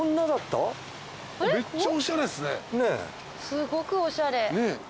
すごくおしゃれ。